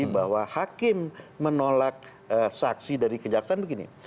bahwa hakim menolak saksi dari kejaksaan begini